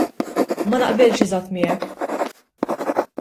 Ma naqbilx eżatt miegħek.